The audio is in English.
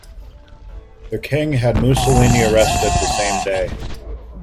The King had Mussolini arrested the same day.